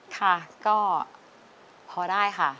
ค่ะก็พอได้ค่ะ